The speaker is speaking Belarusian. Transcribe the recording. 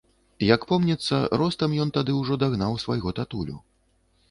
Як помніцца, ростам ён тады ўжо дагнаў свайго татулю.